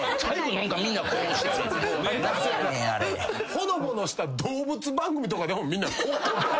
ほのぼのした動物番組とかでもみんなこう撮る。